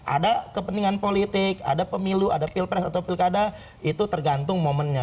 ada kepentingan politik ada pemilu ada pilpres atau pilkada itu tergantung momennya